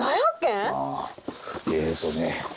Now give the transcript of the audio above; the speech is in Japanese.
えっとね